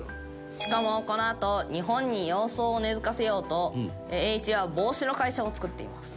しかもこのあと日本に洋装を根付かせようと栄一は帽子の会社も作っています。